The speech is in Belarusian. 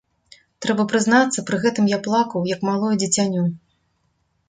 Трэба прызнацца, пры гэтым я плакаў, як малое дзіцянё.